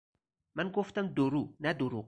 من گفتم دو رو نه دروغ